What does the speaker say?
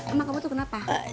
emang kamu tuh kenapa